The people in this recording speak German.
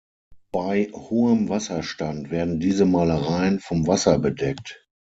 Bei hohem Wasserstand werden diese Malereien vom Wasser bedeckt.